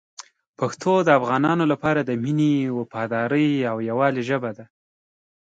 پښتو د افغانانو لپاره د مینې، وفادارۍ او یووالي ژبه ده.